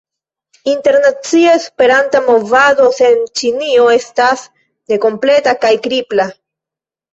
Internacia Esperanta movado sen Ĉinio estas nekompleta kaj kripla.